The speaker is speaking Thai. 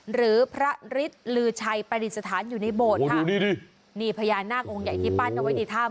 หรือพระฤทธิ์ลือชัยประดิษฐานอยู่ในโบสถ์ค่ะนี่ดินี่พญานาคองค์ใหญ่ที่ปั้นเอาไว้ในถ้ำ